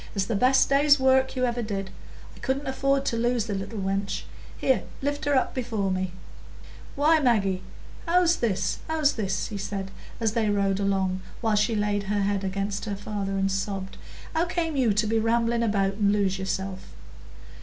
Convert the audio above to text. "It's the best day's work you ever did. I couldn't afford to lose the little wench; here, lift her up before me." "Why, Maggie, how's this, how's this?" he said, as they rode along, while she laid her head against her father and sobbed. "How came you to be rambling about and lose yourself?"